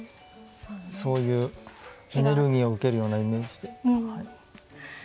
そういうエネルギーを受けるようなイメージで。